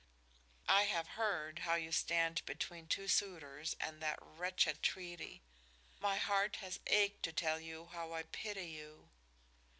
"I have heard how you stand between two suitors and that wretched treaty. My heart has ached to tell you how I pity you."